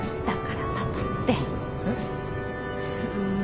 だからパパって。